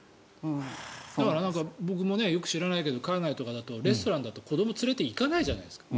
だから僕もよく知らないけど海外とかレストランだと子どもを連れていかないじゃないですか。